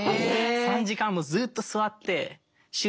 ３時間もずっと座って集中して。